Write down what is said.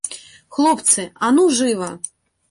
Хлопцы, а ну жыва!